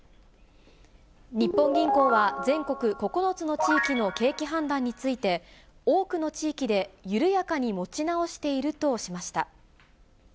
日本銀行は全国９つの地域の景気判断について、多くの地域で緩やかに持ち直しているとしました。